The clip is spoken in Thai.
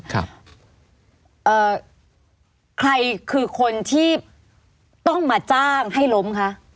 ใครคือคนที่ต้องมาจ้างให้ล้มคะ